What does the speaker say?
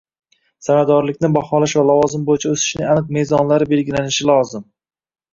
samaradorlikni baholash va lavozim bo‘yicha o‘sishning aniq mezonlari belgilanishi uchun